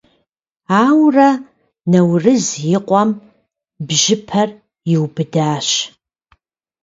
Ауэрэ Наурыз и къуэм бжьыпэр иубыдащ.